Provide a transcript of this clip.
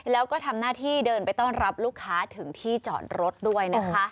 แล้วก็ทำหน้าที่เดินไปต้อนรับลูกค้าถึงที่จอดรถด้วยนะคะ